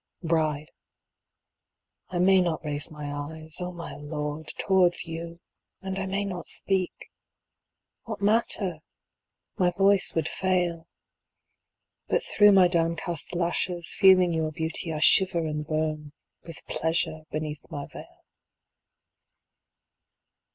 Bride I may not raise my eyes, O my Lord, towards you, And I may not speak : what matter ? my voice would fail. But through my downcast lashes, feeling your beauty, I shiver and burn with pleasure beneath my veil.